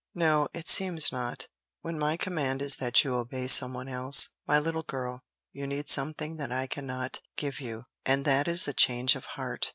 "No, it seems not, when my command is that you obey some one else. My little girl, you need something that I cannot give you; and that is a change of heart.